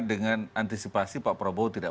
dengan antisipasi pak prabowo tidak